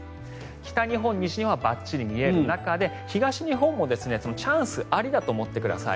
北日本、西日本はばっちり見える中で東日本もチャンスありだと思ってください。